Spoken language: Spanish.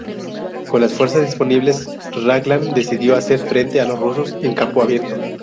Con las fuerzas disponibles, Raglan decidió hacer frente a los rusos en campo abierto.